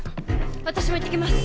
私も行ってきます。